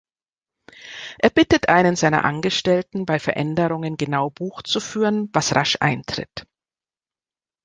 Er bittet einen seiner Angestellten, bei Veränderungen genau Buch zu führen, was rasch eintritt.